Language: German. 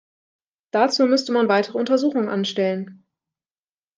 Dazu müsste man weitere Untersuchungen anstellen.